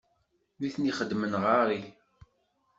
Nitni xeddmen ɣer-i.